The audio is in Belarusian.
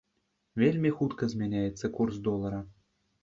Вельмі хутка змяняецца курс долара.